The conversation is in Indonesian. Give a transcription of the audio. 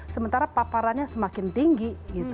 sementara paparannya semakin tinggi